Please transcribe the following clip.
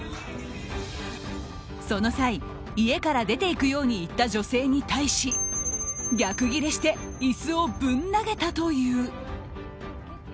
その際、家から出て行くように言った女性に対し逆ギレして椅子をぶん投げたという。